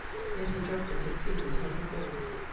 Yet her judgment exceeded her performance.